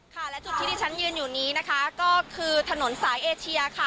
ค่ะและจุดที่ที่ฉันยืนอยู่นี้นะคะก็คือถนนสายเอเชียค่ะ